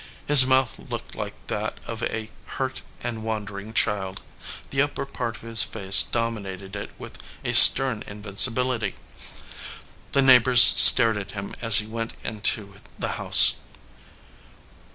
His mouth looked like that of a hurt and wondering child ; the upper part of his face dominated it with a stern invincibility. The neigh bors stared at him as he went into the house.